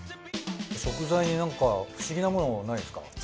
食材になんか不思議なものないですか？